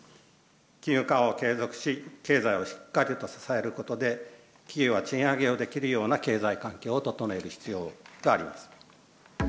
金融緩和を継続し、経済をしっかりと支えることで、企業が賃上げをできるような経済環境を整える必要があります。